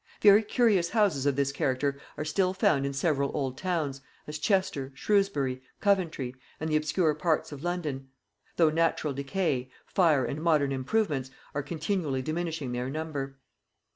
Very curious houses of this character are still found in several old towns, as Chester, Shrewsbury, Coventry, and the obscure parts of London; though natural decay, fire and modern improvements, are continually diminishing their number.